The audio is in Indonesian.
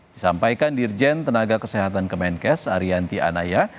disampaikan dirjen tenaga kesehatan kemenkes arianti anaya